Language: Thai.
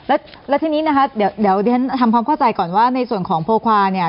แล้วทีนี้นะคะเดี๋ยวดิฉันทำความเข้าใจก่อนว่าในส่วนของโพควาเนี่ย